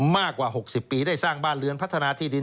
มากกว่า๖๐ปีได้สร้างบ้านเรือนพัฒนาที่ดิน